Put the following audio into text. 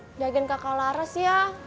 udin jagain kakak laras ya